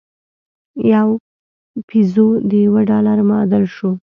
یو پیزو د یوه ډالر معادل شو.